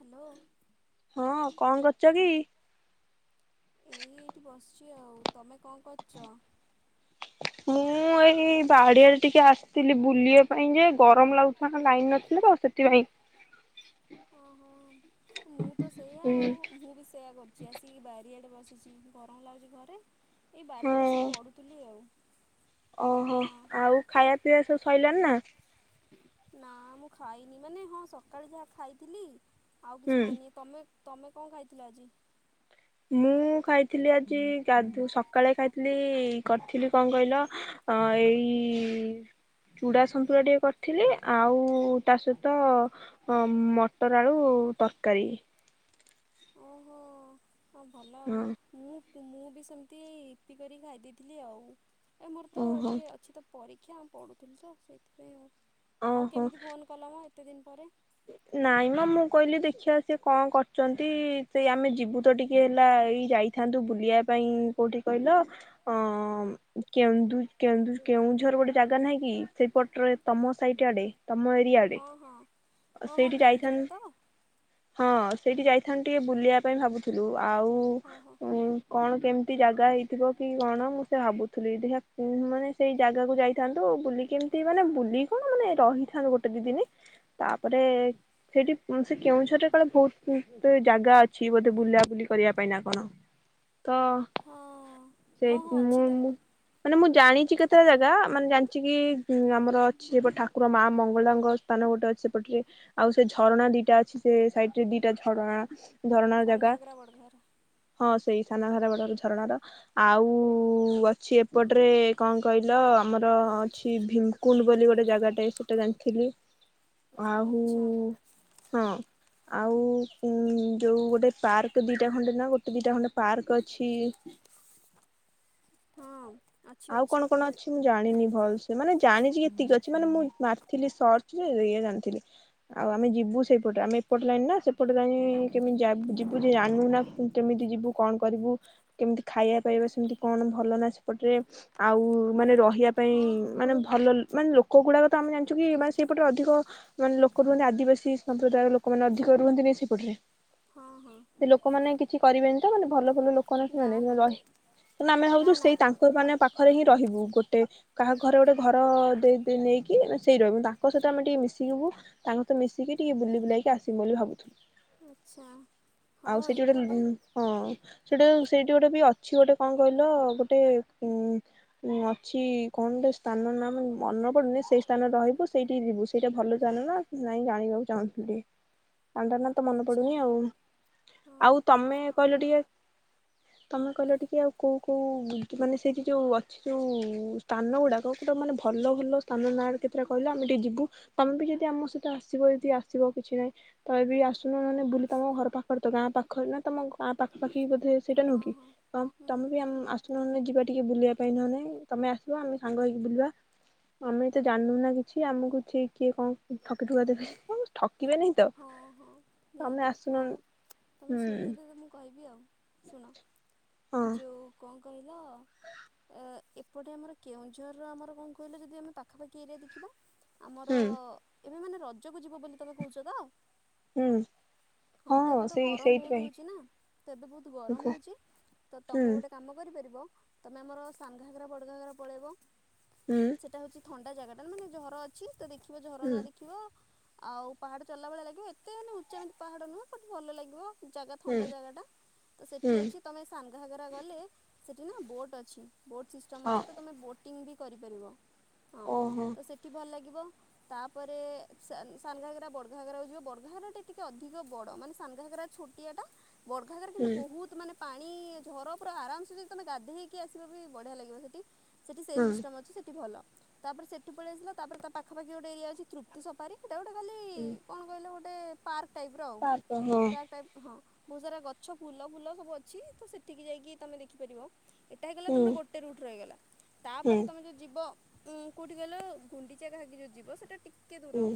Hello. ହଁ କଣ କରୁଚ କି? ଏଇ ଏଇଠି ବସିଛି ଆଉ ତମେ କଣ କରୁଚ? ମୁଁ ଏଇ ବାଡିଆରେ ଟିକେ ଆସିଥିଲି ବୁଲିଆ ନାଇଁ ଯେ ଗରମ ଲାଗୁଚି ଲାଇନ୍ ନଥିଲେ ତ ସେଥିପାଇଁ। ଓହୋ ମୁଁ ତ ସେଇୟା ହୁଁ ଆଉ ମୁଁ ବି ସେଇୟା କର ଚି ଆସି ବାରିଆଡ଼େ ବସିଛି ଗରମ ଲାଗୁଛି ଘରେ। ଏଇ ବାରିରେ ହଁ ବସିିକି ପଢୁଥିଲି ଆଉ। ଓହୋ ହଁ ଆଉ ଖାଇବା ପିଇବା ସବୁ ସରିଲଣିି ନା? ନା ମୁଁ ଖାଇନି ମାନେ ହଁ ସକାଳେ ଯାହା ଖାଇଥିଲି ଆଉ ହୁଁ କିଛି ଖାଇନି। ତମେ ତମେ କଣ ଖାଇଥିଲ ଆଜି? ମୁଁ ଖାଇଥିଲି ଆଜି ଗାଧୁ ସ ସକାଳେ ଖାଇଥିଲି କରିଥିଲି କଣ କହିଲ ଏଇ ଚୁଡ଼ା ସନ୍ତୁଳା ଟିକେ କରିଥିଲି ଆଉ ତା ସହିତ ଅ ମଟର ଆଳୁ ତରକାରୀ। ଓହୋ ହଁ ଭଲ ଆଉ। ହଁ ମୁଁ ମୁଁ ବି ସେମିତି ଇପି କରିକି ଖାଇ ଦେଇେଇଥିଲି ଆଉ। ଏ ମୋର ତ ଓହୋ ଟିକିଏ ଅଛି ତ ପରୀକ୍ଷା ଆ ପଢଡ଼ୁଥିଲି ତ ସେଇଥିପାଇଁ ଆଉ ଆଉ ଓହୋ କେମିତି ଫୋନ୍ କଲ ମ ଏତେ ଦିନ ପରେ। ନାଇଁ ମ ମୁଁ କହିଲି ଦେଖିବା ସିଏ କଣ କରୁଛନ୍ତି ସେଇ ଆମେ ଯିବୁ ତ ଟିକେ ହେଲା ଏଇ ଯାଇ ଥାନ୍ତୁ ବୁଲିବା ପାଇଁ କୋଉଠି କହିଲ ଅ କେନ୍ଦୁ କେନ୍ଦୁ କେଉଁଝର ଗୋଟେ ଜାଗା ନାହିଁ କି ସେଇପଟରେ? ତମ ସାଇଟ୍ ଆଡେ। ତମ ଏ ହଁ ହଁ ହଁ ହଁ କେଉଁଝର ଯାଇଥାନ୍ତୁ ତ? ହଁ ସେଇଠି ଯାଇଥାନ୍ତୁ ଟିକେ ବୁଲିବା ପାଇଁ ଭାବୁଥିଲୁ। ଆଉ ଓହୋ। ଉଁ କଣ କେମିତି ଜାଗା ହେଇଥିବ କି କଣ ମୁଁ ସେଇଆ ଭାବୁଥିଲି। ଦେଖିବା ଉଁ ମାନେ ସେଇ ଜାଗାକୁ ଯାଇଥାନ୍ତୁ ବୁଲିକି କେମିତି ମାନେ ବୁଲକି କଣ ମାନେ ରହିଥାନ୍ତୁ ଗୋଟେ ଦି ଦିନି। ତାପରେ ସେଇଠି ଉଁ ସେ କେଉଁଝରରେ କାଳେ ବହୁତ ଜାଗା ଅ ଅଛି ବୋଧେ ବୁଲାବୁଲି କରିବା ପାଇଁ ନା କଣ? ତ ହଁ ସେଇ ହଁ ହଁ ମୁଁ ଅଛି ତ? ମୁଁ ମାନେ ମୁଁ ଜାଣିଛି କେତେଟା ଜାଗା ମାନେ ଜାଣିଛି କି ଉଁ ଆମର ଅଛି ସେପଟେ ଠାକୁର ମା ମଙ୍ଗଳାଙ୍କ ସ୍ଥାନ ଗୋଟେ ଅଛି ସେପଟରେ ଆଉ ସେ ଝରଣା ଦିଟା ଅଛି ସେ ସାଇଡ଼ରେ ରେ ଦିଟା ଝରଣା। ଝରଣା ର ଜାଗା ସାନଘାଗରା ବଡ଼ଘାଗରା ହଁ ସେଇ ସାନଘାଗରା, ବଡଘାଗରା ଝରଣା ର ଆଉ ଅଛି ଏପଟରେ କଣ କହିଲ ଆମର ଅଛି ଭିମ୍ କୁଣ୍ଡ। ବୋଲି ଗୋଟେ ଜାଗାଟେ ସେଇଟା ଜାଣିଥିଲି। ଆହୁ ଆଚ୍ଛା ହଁ ଆଉ ଉଁ ଯୋଉ ଗୋଟେ ପାର୍କ ଦିଟା ଖଣ୍ଡେ ନା ଗୋଟେ ଦିଟା ଖଣ୍ଡେ ପାର୍କ ଅଛି। ହଁ। ଅଛି ଆଉ ଅଛି କଣ କଣ ଅଛି ମୁଁ ଜାଣିନି ଭଲ ସେ ମାନେ ଜାଣିଛି ଏତିକି ଅଛି ମାନେ ମୁଁ ମାର୍କ ଥିଲି ସର୍ଚରେ ଏଇଆ ଜାଣିଥିଲି। ଆଉ ଆମେ ଯିବୁ ସେଇପଟରେ ଆମେ ଏପଟ ଲାଇନ୍ ନା ସେପଟ ଲାଇନ୍ କେମିତି ଯାବ୍ ଯିବୁ ଜାଣିନା ନା କେମିତି ଯିବୁ। କଣ କରିବୁ କେମିତି ଖାଇବା ପାଇବା ସେମିତି କଣ ଭଲ ନା ସେପଟରେ ଆଉ ମାନେ ରହିବା ପାଇଁ ହଁ ହଁ ମାନେ ଭଲ ଲୋ ମାନେ ଲୋକ ଗୁଡ଼ାକ ତ ଆମେ ଜାଣିଛୁ କି ମାନେ ସେଇପଟେ ଅଧିକ ମାନେ ଲୋକ ରୁହନ୍ତି ଆଦିବାସୀ ସମ୍ପ୍ରଦାୟର ଲୋକମାନେ ଅଧିକ ରୁହନ୍ତିନି ସେପଟରେ? ହଁ ହଁ ସେ ଲୋକମାନେ କିଛି କରିବେନି ତ ମାନେ ଭଲ ଭଲ ଲୋକ। [inaudible] ନା ନା କିନ୍ତୁ ଆମେ ନା ଭାବୁଛୁ ନା ସେଇ ତାଙ୍କ ମାନେ ପାଖରେ ହିଁ ରହିବୁ ଗୋଟେ କାହା ଘରେ ଗୋଟେ ଘର ଦେଇ-ଦେଇ ନେଇକି ଆମେ ସେଇ ରହିବୁ ତାଙ୍କ ସହିତ ଆମେ ଟିକେ ମିଶିବୁ। ତାଙ୍କ ସହିତ ମିଶିକି ଟିକେ ବୁଲି ବୁଲାକି ଆସିମୁ ବୋଲି ଭାବୁଥିଲୁ। ଆଚ୍ଛା ହଁ ଆଉ ସେଠି ଗୋଟେ ଏପଟେ ଉଁ ହଁ। ସେଟି ସେଇଠି ଗୋଟେ ବି ଅଛି ଗୋଟେ କଣ କହିଲ ଗୋଟେ ଉଁ ଉଁ ଅଛି କଣଟେ ସ୍ଥାନ ନା ମୁଁ ମନପଡ଼ୁନି ସେଇ ସ୍ଥାନ ରହିବୁ ସେଇଠିକି ଯିବୁ ସେଇଟା ଭଲ ସ୍ଥାନ ନା। ନାଇଁ ଜାଣିବାକୁ ଚାହୁଁଥିଲି କଣ୍ଡ ନା ତ ମନେ ଆଚ୍ଛା ପଡୁନି ଆଉ ହଁ ଆଉ ତମେ କହିଲ ଟିକେ ତମେ କହିଲ ଟିକେ ଆଉ କୋଉ କୋଉ [inaudible] ମାନେ ସେଇଠି ଯୋଉ ଅଛି ଯୋଉ ସ୍ଥାନ ଗୁଡ଼ାକ ପୁରା ମାନେ ଭଲ ଭଲ ସ୍ଥାନ ନାଁ କେତେଟା କହିଲ ଆମେ ଟିକେ ଯିବୁ। ତମେ ବି ଯଦି ଆମ ସହିତ ଆସିବ ଯଦି ଆସିବ କିଛି ନାହିଁ। ତମେ ବି ଆସୁନ ନହେ ବୁଲି ତମ ଘର ପାଖରେ ତ ଗାଁ ପାଖରେ ନା ତମ ଗାଁ ପାଖା ପାଖି ବୋଧେ ସେଇଟା ହଁ ନୁହେଁ ହଁ। ସେଟା। ଅମ୍ ହୁଁ ତମେ ବି ଆମ ଆସୁନହ ଯିବା ଟିକେ ବୁଲିବା ପାଇଁ ନହେନେ ତମେ ଆସିବ ଆମେ ସାଙ୍ଗ ହେଇକି ବୁଲିବା। ଆମେ ତ ଜାଣୁ ନା କିଛି ଆମକୁ ସେଠି କିଏ କଣ ଠକି ଠୁକା ଦେବେ ଅଁ ଠକିବେନି। ହଁ ହଁ ନିହାତି ହଁ। ତମେ ହୁଁ ଶୁଣିଲେ ତ ମୁଁ କହିବି ଆଉ ଶୁଣ ହଁ ଯୋଉ କଣ କହିଲ ଏ ଏପଟେ ଆମର କେଉଁଝରର ଆମର କଣ କହିଲ ଯଦି ଆମେ ପାଖାପାଖି ଏରିଆ ଦେଖିବା। ଆମର ହୁଁ ଏବେ ମାନେ ରଜକୁ ଯିବ ବୋଲି ତମେ କହୁଚ ତ? ହୁଁ। ହଁ ତ ଏବେ ତ ସେଇ ଗରମ ବହୁତ ସେଇଥିପାଇଁ ହଉଛିି ନା ତ ଏବେ ବହୁତ ଗରମ କୁହ ହଉଛି। ତ ତମେ ଗୋଟେ କାମ କରିପାରିବ ତମେ ଆମର ସାନଘାଗରା, ବଡ଼ଘାଗରା ପଳେଇବ। ହୁଁ। ସେଟା ହଉଛି ଥଣ୍ଡା ଜାଗାଟା ମାନେ ଝର ଅଛି ତ ଦେଖିବ ଝରଣା ଦେଖିବ ଆଉ ପାହାଡ଼ ଚଢ଼ିଲା ଭଳିଆ ଲାଗିବ ଏତେ ମାନେ ଉଚ୍ଚମିତି ପାହାଡ଼ ନୁହଁ ବଟ୍ ଭଲ ଲାଗିବ। ଜାଗା ଥଣ୍ଡା ଜାଗାଟା ତ ସେଠି ଅଛି। ତମେ ସାନଘାଗରା ଗଲେ ସେଠି ନୁହଁ ବୋଟ ଅଛି, ବୋଟ ସିଷ୍ଟମ ଅଛି ତ ତମେ ବୋଟ ଟିଂ କରି ପାରିବ ହଁ ତ ସେ ଭଲ ଲାଗିବ ତାପରେ ସା ସାନଘାଗରା ବରଘାଘରା ଯିବ ବଡ଼ଘରା ଟା ଟିକେ ଅଧିକ ବଡ ମାନେ ସାାନଘାଗରା ଛୋଟିଆ ଟା ବଡ଼ଘାଗରେ କିନ୍ତୁ ବହୁତ ତ ମାନେ ପାଣି ଝର ପୁରା ଆରାମସ ଯଦି ତମେ ଗାଧେଇ ହେଇକି ଆସିବ ବି ବଢିଆ ଲାଗିବ ସେଠି। ସେଠି ସେଇ ସିଷ୍ଟମ ଅଛି ସେଠି ଭଲ। ତାପରେ ସେଠ ପଳେଇ ଆସିଲ ତାପରେ ତା ପାଖପାଖି ଗୋଟେ ଏରିଆ ଅଛି ତୃପ୍ତି ସପାରୀ ଏଟ ଗଟ ଖାଲି କଣ କହିଲ ଗୋଟେ ପାର୍କ ଟାଇପ ର ଆଉ ହଁ ହୁଁ ହଁ ବହୁତ ସାରା ଗଛ ଫୁଲ ଫୁଲ ସବୁ ଅଛି ତ ସେଠିକି ଯାଇକି ତୁମେ ଦେଖିପାରିବ। ଏଇଟା ହେଇଗଲା ତମର ଗୋଟେ ରୁଟ ର ହେଇଗଲା ହୁଁ ତାପରେ ତମେ ଯ ଯିବ କୋଉଠି କହିଲ ଗୁଣ୍ଡିଚାଗାକି ଯୋଉ ଯିବ ସେଟା ଟିକେ ଦୂର। ହୁଁ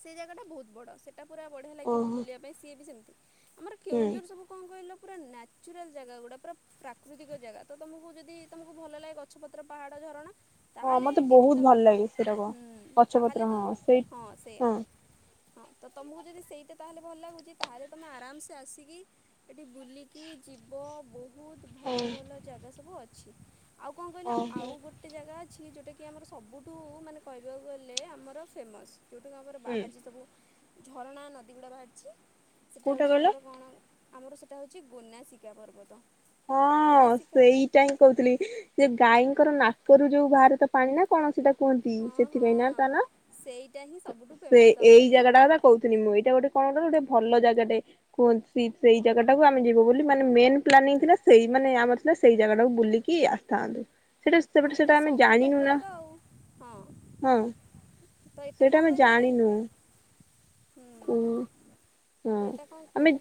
ସେ ଜାଗାଟା ବହୁତ ବଡ଼ ସେଇଟା ପୁରା ବଢ଼ିଆ ଲାଗିବ ଓହୋ ବୁଲିବା ପାଇଁ ସିଏ ବି ସେମିତି ଆମର ହୁଁ କେଉଁଝର ସବୁ କଣ କହିଲା ପୁରା ନ୍ୟଚୁରାଲ ଜାଗା ଗୁଡା ପୁରା ପ୍ରାକୃତିକ ଜାଗା ତ ତମକୁ ଯଦି ତମକୁ ଭଲ ଲାଗେ ଗଛ ପତ୍ର ପାହାଡ ଝରଣା ତା ହଁ ହେଲେ ମତେ ଏଠିକ ବହୁତ ତ ଭଲ ଲାଗେ ସେରାକ ହୁଁ ଗଛ ପତ୍ର ତାହେଲେ ତ ହଁ ସେଇ ହଁ ସେଇଆ ହଁ ତ ତମକୁ ଯଦି ସେଇତା ତାହେଲେ ଭଲ ଲାଗୁଛି ତାହେଲେ ତମେ ଆରାମସେ ଆସିକି ଏଠି ବୁଲିକି ଯିବ ବ ବହୁତ ହଁ ଭଲ ଭଲ ଜାଗା ସବୁ ଅଛି ଆଉ କଣ କହିଲା ଓହୋ ଆଉ ଗୋଟେ ଗୋଟେ ଜାଗା ଅଛି ଯୋଉଟା କିି ଆମର ସବୁଠୁ ମାନେ କହିବାକୁ ଗଲେ ଆମର ଫେମସ ଯୋଉଠୁ ହୁଁ ବାହାରିଛି ସବୁ ଝରଣା ନଦୀ ଗୁଡ଼ା ବାହାରିଛି ସେଇଟା କୋଉଟା ହେଉଛି କହିଲ ଆମର କଣ ଆମର ସେଇଟା ହଉଛି ଗନାସିକା ପର୍ବତ ହଁ ଗୋନାସିକା ସେଇଟା ହିଁ କହୁଥିଲି ଯେ ଗାଈଙ୍କର ନାକରୁ ଯୋଉ ବାହାରେ ତା ପାଣି ନା କଣସିଟା କୁହନ୍ତି ହଁ ସେଥିପାଇଁ ନା ହଁ। ତା ନା ସେଇଟା ହିଁ ସବୁଠୁ ସେ ଫେମସ୍ ଆମର ଏଇ ଏଠି ଜାଗା ଟା କହୁଥିଲି ମୁଁ ଏଇଟା ଗୋଟେ କଣ ଗୋଟେ ଭଲ ଜାଗାଟେ କୁହନ୍ତି ସେଇ ଜାଗା ଟାକୁ ଆମେ ଯିବୁ ବୋଲି ମାନେ ମେନ ପ୍ଲାନିଂ ଥିଲା ସେଇ ମାନେ ଆମର ଥିଲା ସେଇ ଜାଗା ଟାକୁ ବୁଲିକି ଆସିଥାନ୍ତୁ ସେଟା ହଁ ସେପଟେ ସେଟା ଏଇଟା ଆମେ ସବୁଠୁ ଜାଣିନୁ ନା ଉପରେ ତ ଆଉ ହଁ ହଁ ତ ଏଟା ସେଇଟା କ ଆମେ କହିଲ ଏଟା ଜାଣିନୁ ହୁଁ। କୁ ହଁ ତ ଏଇଟା କଣ ଆମେ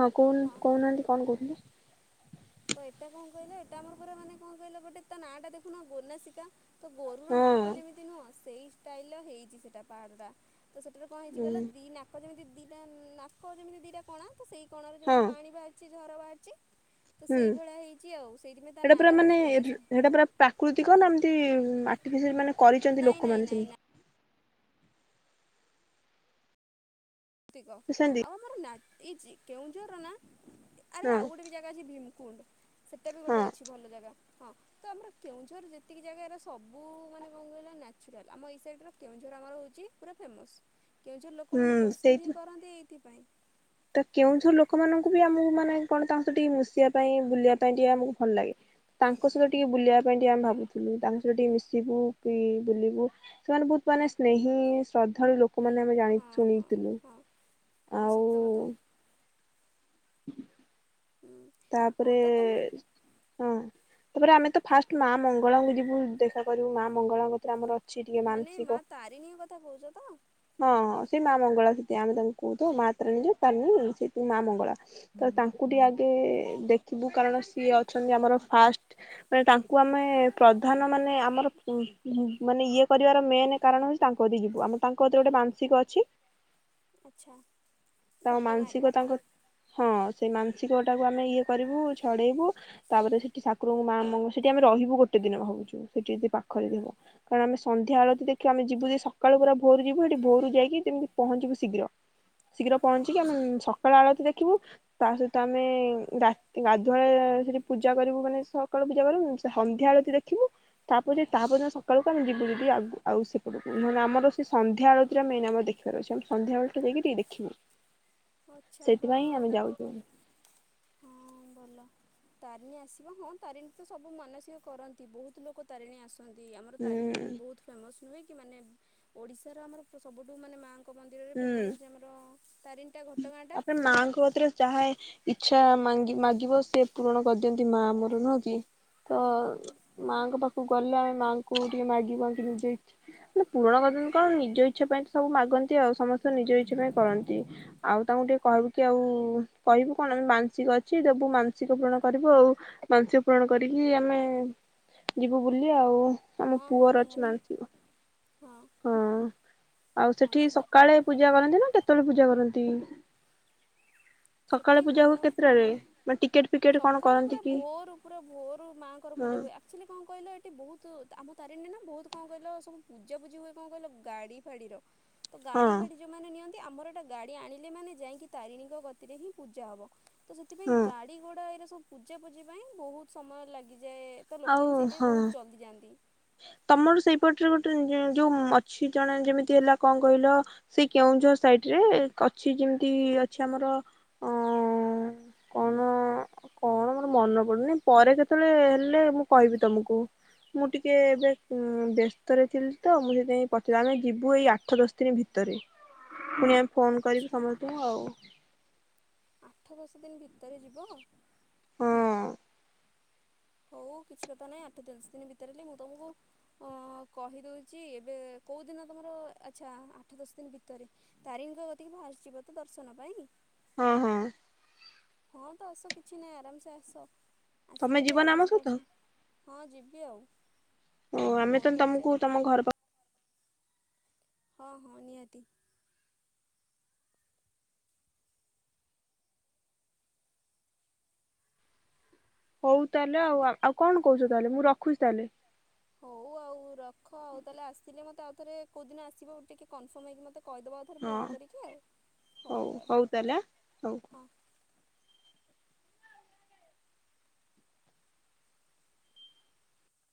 ହଁ କ କହୁନାହାନ୍ତି କଣ କହୁଥିଲେ ତ ଏଇଟା କଣ କହିଲ ଏଟା ଆମର ପୁରା ମାନେ କଣ କହିଲ ଗଟେ ତା ନାଁ ଟା ଦେଖୁନ ଗନାସିକା ତ ଗୋରୁର ହଁ ନାକ ଯେମିତି ନୁହଁ ସେଇ ଷ୍ଟାଇଲ୍ ର ହେଇଛି ସେଇଟା ପାହାଡ଼ଟା ତ ସେଠାରେ କଣ ହେଇଛି କହିଲ ଦିଇ ନାକ ଯେମିତି ଦିଇଟା ନାକ ଯେମିତି ଦିଇଟା କଣା ତ ସେହି କୋଣରେ ହଁ ଯେମିତି ପାଣି ବାହାରିଛି ଝର ବାହାରିଛି। ତ ହୁଁ ସେଇଭଳିଆ ହେଇଛି ଆଉ ସେଇଥିପାଇଁ ତା ସେଟା ପରା ନାଁଟା ହେଉଛି ମାନେ ଗୋନାସିକା ସେଟା ପରା ପ୍ରାକୃତିକ ନା ଏମତି ଆଟିଫିସିଆଲ ମାନେ କରିଛନ୍ତି ନାଇଁ ନାଇଁ ଲୋକମାନେ ନାଇଁ ନାଇଁ ସେମତି। ତିକ ବୁଝୁଛନ୍ତି ଆଉ ଆମର ନା ଏ କେଉଁଝର ନା ଆରେ ହଁ ଆଉ ଗୋଟେ ବି ଅଛି ଭୀମକୁଣ୍ଡ ସେଟା ବି ହଁ ଗୋଟେ ଅଛି ଭଲ ଜାଗା ହଁ ତ ଆମର କେଉଁଝର ଯେତିକି ଜାଗା ହେରା ସବୁ ମାନେ କଣ କହିଲ ନ୍ୟାଚୁରାଲ୍ ଆମ ଏଇ ସାଇଡ଼ର କେଉଁଝର ଆମର ହେଉଛି ପୁରା ଫେମସ୍ କେଉଁଝଉଁ ହୁଁ ଲୋକମାନେ ପସନ୍ଦ ସେଇଥି ହିଁ କରନ୍ତି ଏଇଥିପାଇଁ। ତ କେଉଁଝର ଲୋକମାନଙ୍କୁ ବି ଆମକୁ ମାନେ କଣ ତାଙ୍କ ସହିତ ଟିକେ ମିଶିବା ପାଇଁ ବୁଲିବା ପାଇଁ ଟିକେ ଆମକୁ ଭଲ ଲାଗେ। ତାଙ୍କ ସହିତ ଟିକେ ବୁଲିବା ପାଇଁ ଟିକେ ଆମେ ଭାବୁଥିଲୁ ତାଙ୍କ ସହିତ ଟିକେ ମିଶିବୁ କି ବୁଲିବୁ। ସେମାନେ ବହୁତ ମାନେ ସ୍ନେହୀ ଶ୍ରଦ୍ଧାଳୁ ନି ଲୋକମାନେ ଆମେ ଜାଣି ହଁ ହଁ ଶୁଣିଥିଲୁ। ହଁ। ହଁ ଆଉ ସତ କଥା। [unintelligible] ହୁଁ। ହଁ ତାପରେ ତ ତମେ ହଁ ତାପରେ ଆମେ ତ ଫାଷ୍ଟ ମା ମଙ୍ଗଳାଙ୍କୁ ଯିବୁ ଦେଖା କରିବୁ ମା ମଙ୍ଗଳାଙ୍କରେ ଆମର ଅଛି ଟିକେ ମାନେ ମାନସିକ ମା ତାରିଣୀ କଥା କହୁଛ ତ? ହଁ ହଁ ସେ ମା ମଙ୍ଗଳା ସେଥି ଆମେ ତାମଙ୍କୁ କହୁଥ ମା ତାରଣୀ ଯ ମା ମଙ୍ଗଳା ତ ତାଙ୍କୁ ଟିକ ଆଗେ ଦେଖିବୁ କାରଣ ସିଏ ଅଛନ୍ତି ଆମର ଫାଷ୍ଟ ମାନେ ତାଙ୍କୁ ଆମେ ପ୍ରଧାନ ମାନେ ଆମର ମାନେ ଇଏ କରିବାର ମେନ କାରଣ ହଉଛି ତାଙ୍କ ଅତି ଯିବୁ ଆମ ତାଙ୍କତିରେ ଗୋଟେ ମାନସିକ ଅଛି। ଆଚ୍ଛା ତାଙ୍କ ଘଟଗାଁରେ ମାନସିକ ତାଙ୍କ ହଁ ସେଇ ଛିିକଟାକୁ ଆମେ ଇଏ କରିବୁ ଛଡ଼େଇବୁ। ତାପରେ ସେଠିଠାକୁରଙ୍କୁ ମା ମଙ୍ଗଙ୍କୁ ସେଠି ଆମେ ରହିବୁ ଗୋଟେ ଦିନ ଭାବୁ ସେଠି ଯଦି ପାଖରେ ଯିବ। କାରଣ ଆମେ ସନ୍ଧ୍ୟାଳେ ଯେଦି ଦେଖିବା ଆମେ ଯିବୁଯେ ସଖାଳୁ ପୁରା ଭୋରୁ ଯିବୁ ହେଟି ଭୋରୁ ଯାଇକି ଯେମିତି ପହଞ୍ଚିବୁ ଶୀଘ୍ର। ଶୀଘ୍ର ପହଞ୍ଚିକି ଆମେ ଆଚ୍ଛା। ସକାଳ ଆଳତି ଦେଖିବୁ ତା ସହି ତ ଆମେ ରା ଗାଧୁଆଳେ ସେଠି ପୂଜା କରିବୁ ମାନେ ସକାଳୁ ପୂଜା କରୁମୁ ସନ୍ଧ୍ୟା ଆଳତିୀ ଦେଖିବୁ। ତାପରେ ତାପରଦିନ ସକାଳକୁ ଆମେ ଯିବୁ ଯଦି ଆ ଆଉ ସେପଟକୁ ନହେନେ ଆମର ସେ ସନ୍ଧ୍ୟା ଆଳତୀରେ ମେନ୍ ଆମର ଦେ ଫେରେ ସବୁ ସନ୍ଧ୍ୟାବେଳଠୁ ଯାଇକି ଟିକେ ଦେଖିବୁ ଆଚ୍ଛା ହଁ ସେଥିପାଇଁ ଆମେ ତା ଯାଉଚୁ। ହଁ ଭଲ। ତାରିଣୀ ଆସିବ ହଁ ତାରିଣୀତ ସବୁ ମାନସିକ କରନ୍ତି ବହୁତ୍ ଲୋକ ତାରିଣୀ ଆସ ଆସନ୍ତି ଆମର ହୁଁ ତାରିଣଟାବି ବହୁତ୍ ଫେମସ୍ ନୁହେଁକି ମାନେ ଓଡ଼ିଶାର ଆମର ସବୁଠୁ ମାନେ ମାଁଙ୍କ ମନ୍ଦିରରେ ହୁଁ। ଫେମସ୍ ହୋଉଚି ଆମର ତାରିନୀ। ତାପରେ ମାଁଙ୍କ କତିରେ ଯାହାେ ଇଚ୍ଛା ମାଙ୍ଗି ମାଗିବ ସେପୂରଣ କରିଦିଅନ୍ତି ମା ଆମର ନୁହଁକି। ତ ମାଁଙ୍କ ପାଖକୁ ଗଲେ ଆମେ ମାଆଙ୍କୁ ଟିକେ ମାଗି ଆଙ୍କିଯେଇଛୁ। ମାନେ ପୁରଣ କରିଦିଅନ୍ତି କଣ ନିଜ ଇଚ୍ଛା ପାଇଁତ ସବୁ ମାଗନ୍ତି ଆଉ ସମସ୍ତେ ନିଜ ଇଚ୍ଛା ପାଇଁ କରନ୍ତି। ଆଉ ତାଙ୍କୁ ଟିକେ କହିବୁକି ଆଉ କହିବୁ କଣ ଆମେ ମାନସିକ ଅଛି ଦବୁ ମାନସିକ ପୂରଣ କରିବୁ ଆଉ। ମାନସିକ ପୂରଣ କରିକି ଆମେ ଯିବୁ ବୁଲି ଆଉ। ଆମ ହଁ ହଁ ପୁଅର ଅଛି ନିହାତି ମାନସିକ। ହଁ ଆଉ ହଁ ସେଠି ତ ଦ ସକାଳେ ପୂଜା କରନ୍ତିନା କେତେବେଳେ ପୂଜା କରନ୍ତି? [inaudible] ସେଠି ହଁ ପୂଜା ହୁଏ କେତେଟାରେ ମାନେ ଟିକେଟ ଫିକେଟ କଣ ସକାଳୁ କରନ୍ତି ପୁରା କି ଭୋରୁ ପୁରା ଭୋରୁ ମାଙ୍କର ହଁ ପୂଜା ହୁଏ ଆ ଆକ୍ଚୁଲି କଣ କହିଲ ଏଠି ବହୁତ୍ ଆମ ତାରିଣୀରେନା ବହୁତ୍ କଣ କଇଲ ସବୁ ପୂଜାପୁଜି ହୁଏ କଣ କହିଲ ଗାଡ଼ି ଫାଡ଼ିର। ହଁ ତଗାଡ଼ି ଫାଡ଼ି ଯୋଉମାନେ ନିଅନ୍ତି ଆମର ଏଟା ଗାଡ଼ି ଆଣିଲେ ମାନେ ଯାଇକି ତାରିଣୀଙ୍କ କତିରେହିଁ ପୂଜା ହବ। ତ ସେଥିପାଇଁ ହଁ ଗାଡ଼ି ଘୋଡ଼ା ଏରା ସବୁ ପୂଜାପୂଜି ପାଇଁ ବହୁତ୍ ସମୟ ଲାଗିଯାଏ। ଆଉ ହଁ। ମିତି ଯାଆନ୍ତି। ତମର ସେଇପଟରେ ଗୋଟେ ଯୋଉ ଅଛି ଜଣେ ଯେମିତି ହେଲା କଣ କହିଲ ସେଇ କେଉଁଝର ସାଇଟିରେ ଅଛି ଯେମିତି ଅଛି ଆମର ଅଁ କୋଉନ କଣ ମୋର ମନେ ପଡ଼ୁନି ପରେ କେତେବେଳେ ହେଲେ ମୁଁ କହିବି ତମକୁ ମୁଁ ଟି ଟିକେ ଏବେ ବ୍ୟସ୍ତରେ ଥିଲିତ ମୁଁ ସେଥିପାଇଁ ପଚାରି ଆମେ ଯିବୁ ଏଇ ଆଠ ଦଶ ଦିନି ଭିତରେ। ପୁଣି ଆମେ ଫୋନ୍ କରିବୁ ଆଚ୍ଛା ସମସ୍ତେ ଆଉ। ଆଠ ଦଶ ଦିନି ଭିତରେ ଯିବ? ହଁ। ହଉ କିଛି କଥା ନାହିଁ ଆଠ ଦଶ ଦିନ ଭିତରେ ହେଲେ ମୁଁ ତମକୁ ହଁ କହିଦଉଚି ଏବେ କେଉଁଦିନ ତମର ଆଚ୍ଛା ଆଠ ଦଶ ଦିନି ଭିତରେ। ତାରିଣୀଙ୍କ କତିକି ଫାଷ୍ଟେ ଯିବତ ଦର୍ଶନ ପାଇଁ। ହଁ ହଁ। ହଁ ତ ଆସ କିଛି ନାହିଁ ଆରାମସେ ଆସ ତମେ ଆସିକି ଏଠୁ ଯିବନା ଆମ ଆରାମସେ ସହିତ ଦର୍ସ ହଁ ଯିବି ଆଉ। ଓ ଫୋନ୍ ଆମେତ କରିଛ ତମକୁ ତମ ଘର ପାଖ ହଁ ହଁ ନିହାତି। ହଉ ତାହେଲେ ଆଉ ଆଉ କଣ କହୁଚ ତାହେଲେ ମୁଁ ରଖୁଚି ତାହେଲେ। ହଉ ଆଉ ରଖ ଆଉ ତାହେଲେ ଆସିଲେ ମୋତେ ଆଉ ଥରେ କଉଦିନ ଆସିବ ଟିକେ କନଫର୍ମ ହେଇକି ମତେ କହିଦବ ଆ ଥରେ ହଁ ଫୋନ୍ କରିକି ଆଉ ହଉ ତାହେଲେ ହଁ।